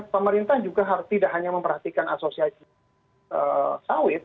pemerintah juga tidak hanya memperhatikan asosiasi sawit